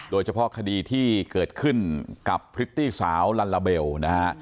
โดยเฉพาะคดีที่เกิดขึ้นกับพริตตี้สาวลัลลาเบลนะฮะ